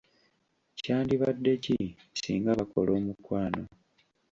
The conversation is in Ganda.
Kyandibadde ki singa bakola omukwano.